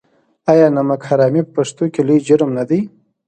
آیا نمک حرامي په پښتنو کې لوی جرم نه دی؟